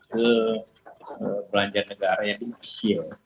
kebelanjaan negara yang efisien